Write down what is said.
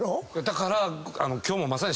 だから今日もまさに。